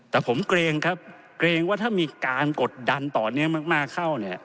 แต่ผมเกรงครับเกรงว่าถ้ามีการกดดันต่อเนื่องมากเข้าเนี่ย